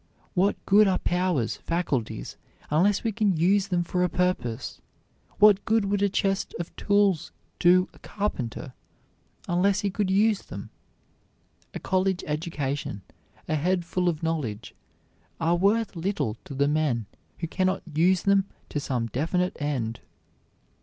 What good are powers, faculties, unless we can use them for a purpose? What good would a chest of tools do a carpenter unless he could use them? A college education, a head full of knowledge, are worth little to the men who cannot use them to some definite end.